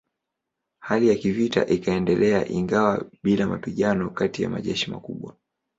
Hali ya vita ikaendelea ingawa bila mapigano kati ya majeshi makubwa.